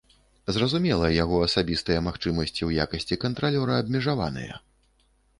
Зразумела, яго асабістыя магчымасці ў якасці кантралёра абмежаваныя.